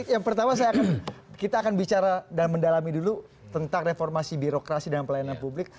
yang pertama kita akan bicara dan mendalami dulu tentang reformasi birokrasi dan pelayanan publik